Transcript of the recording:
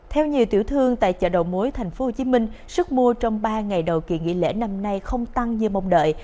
theo nhiều tiểu thương tại chợ đầu mối tp hcm sức mua trong ba ngày đầu kỳ nghỉ lễ năm nay không tăng như mong đợi